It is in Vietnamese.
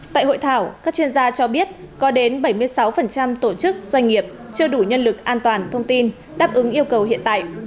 tại hội thảo các chuyên gia cho biết có đến bảy mươi sáu tổ chức doanh nghiệp chưa đủ nhân lực an toàn thông tin đáp ứng yêu cầu hiện tại